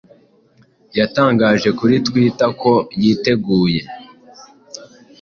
yatangaje kuri Twitter ko yiteguye "